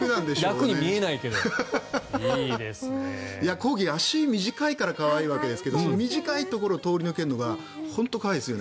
コーギー、足が短いから可愛いわけですけど短いところを通り抜けるのが本当に可愛いですよね。